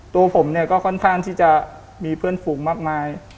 ตัวผมเนี่ยก็ค่อนข้างที่จะมีเพื่อนฝูงมากมาย